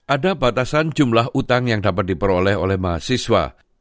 ada batasan jumlah utang yang dapat diperoleh oleh mahasiswa